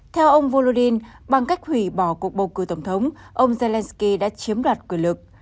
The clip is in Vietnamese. theo ông volodin bằng cách hủy bỏ cuộc bầu cử tổng thống ông zelenskyy đã chiếm đoạt quyền lực